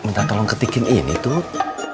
minta kau ketikin ini tut